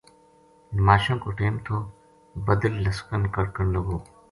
نماشاں کو ٹیم تھو بدل لسکن کڑکن لگو